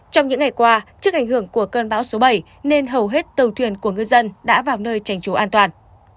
trong những ngày qua trước ảnh hưởng của cơn bão số bảy nên hầu hết tàu thuyền của người dân đã vào nơi tránh chú an toàn